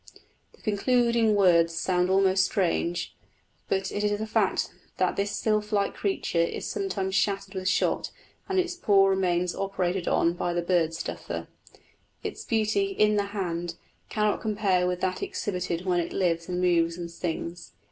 The concluding words sound almost strange; but it is a fact that this sylph like creature is sometimes shattered with shot and its poor remains operated on by the bird stuffer. Its beauty "in the hand" cannot compare with that exhibited when it lives and moves and sings.